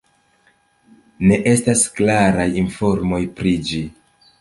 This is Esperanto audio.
Ne estas klaraj informoj pri ĝi.